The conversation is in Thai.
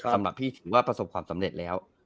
สำหรับพี่ถือว่าประสบความสำเร็จแล้ว